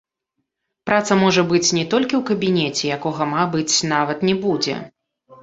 Праца можа быць не толькі ў кабінеце, якога, мабыць, нават не будзе.